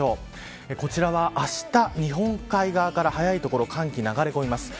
こちらは、あした日本海側から早い所、寒気が流れ込みます。